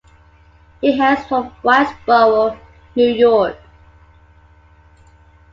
He hails from Whitesboro, New York.